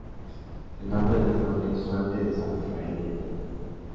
El nombre del Fuerte es "Fuerte de San Rafael del Diamante".